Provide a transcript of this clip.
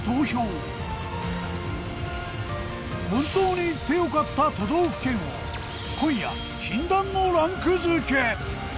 本当に行って良かった都道府県を今夜禁断のランク付け。